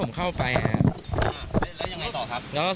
รูปคู่กัน